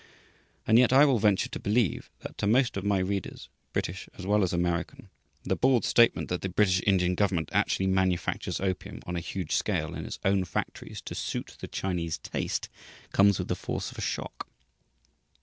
And yet, I will venture to believe that to most of my readers, British as well as American, the bald statement that the British Indian government actually manufactures opium on a huge scale in its own factories to suit the Chinese taste comes with the force of a shock.